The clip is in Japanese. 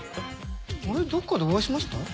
あれどこかでお会いしました？